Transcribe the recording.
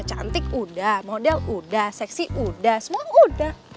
cantik udah model udah seksi udah semua udah